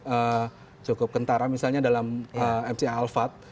yang cukup kentara misalnya dalam mca alphard